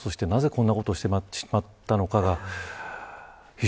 そしてなぜこんなことをしてしまったのか。